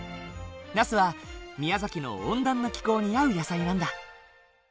ナスは宮崎の温暖な気候に合う野菜なんだ。